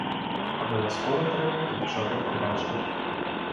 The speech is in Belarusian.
Абавязкова трэба, каб чалавек пабачыў.